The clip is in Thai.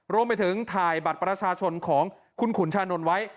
รวมไปถึงถ่ายบัตรประชาชนของคุณขุนชานนท์ไว้